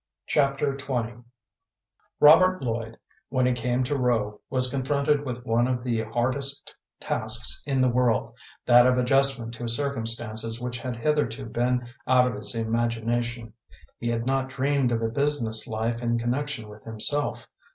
Chapter XX Robert Lloyd when he came to Rowe was confronted with one of the hardest tasks in the world, that of adjustment to circumstances which had hitherto been out of his imagination. He had not dreamed of a business life in connection with himself.